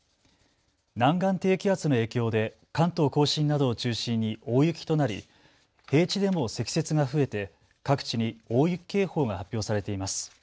南岸低気圧の影響で関東甲信などを中心に大雪となり平地でも積雪が増えて各地に大雪警報が発表されています。